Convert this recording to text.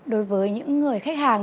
đối với những người khách hàng